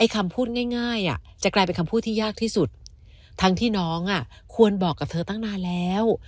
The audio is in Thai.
คำพูดง่ายจะกลายเป็นคำพูดที่ยากที่สุดทั้งที่น้องควรบอกกับเธอตั้งนานแล้ว